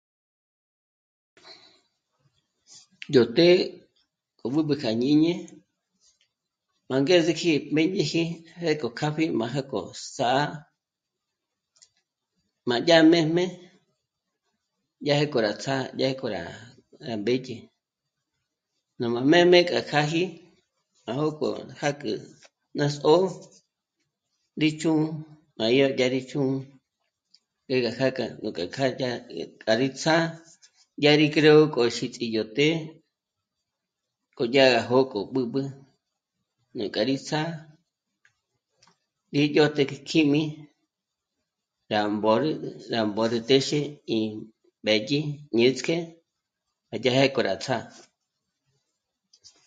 Yó të́'ë k'o b'ǚb'ü kja jñíni mángés'eji mbèñeji pjéko kjâpji m'a já k'ó sà'a má m'adyàjmejme dyà je k'o rá ts'á'a... dyà k'e ró rá mbèdye. Ná m'a mé'me kjâji à jókò jâkü ná zó'o ríjchú'u má dyà ngá rí chū́'ū́ 'é gá ják'a ngú k'adyà k'a rí ts'á'a dyâ gí creo k'o xîts'i yó të́'ë kodyaga jókò b'ǚb'ü né'e k'a rí ts'á'a rí dyòjte nú kjíjmi rá mbórü, rá mbórü téxe í mbédyi ñétsk'é e dyè'jé k'o rá ts'á